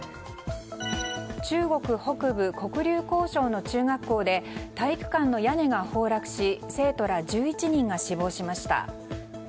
中国北部黒竜江省の中学校で体育館の屋根が崩落し生徒ら１１人が死亡しました。